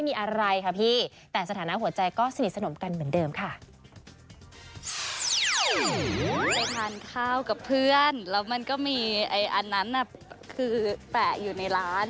ไปทานข้าวกับเพื่อนแล้วมันก็มีอันนั้นแปะอยู่ในร้าน